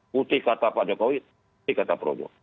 putih kata pak jokowi putih kata projo